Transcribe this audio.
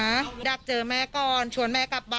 จนกระทั่งหลานชายที่ชื่อสิทธิชัยมั่นคงอายุ๒๙เนี่ยรู้ว่าแม่กลับบ้าน